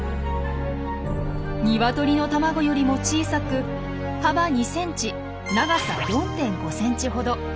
ニワトリの卵よりも小さく幅２ｃｍ長さ４．５ｃｍほど。